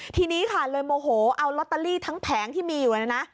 ทีนี้ค่ะเลยโมโหเอาลอตเตอรี่ทั้งแผงที่มีอยู่นะนะ